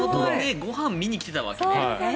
ご飯を見に来てたわけね。